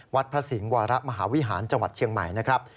วัดพระสิงห์วาระมหาวิหารจังหวัดเชียงใหม่นะครับ